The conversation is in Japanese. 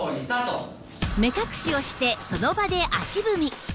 目隠しをしてその場で足踏み